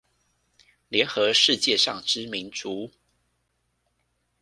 聯合世界上之民族